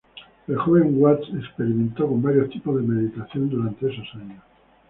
El joven Watts experimentó con varios tipos de meditación durante esos años.